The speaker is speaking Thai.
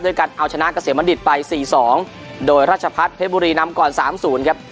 การเอาชนะเกษมบัณฑิตไปสี่สองโดยราชพัฒน์เพชรบุรีนำก่อนสามศูนย์ครับ